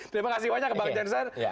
terima kasih banyak bang jansen